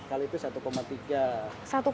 kalau itu rp satu tiga